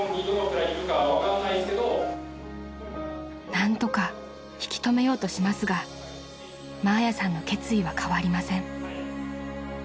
［何とか引き留めようとしますがマーヤさんの決意は変わりません］